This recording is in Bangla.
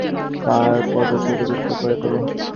পা আর পোদকে উপযুক্ত করে তোলো।